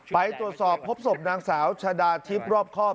ไปตรวจสอบพบศพนางสาวชะดาทิพย์รอบครอบ